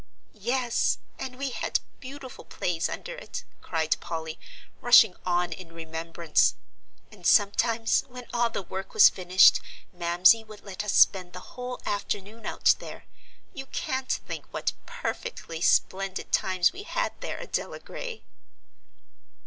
"Yes, and we had beautiful plays under it," cried Polly, rushing on in remembrance; "and sometimes when all the work was finished, Mamsie would let us spend the whole afternoon out there. You can't think what perfectly splendid times we had there, Adela Gray!"